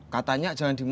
katanya jangan dimakan